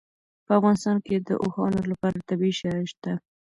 په افغانستان کې د اوښانو لپاره طبیعي شرایط شته.